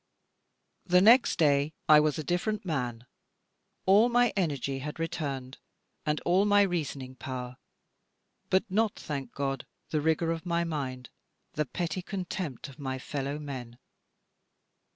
The next day I was a different man. All my energy had returned, and all my reasoning power; but not, thank God, the rigour of my mind, the petty contempt of my fellow men.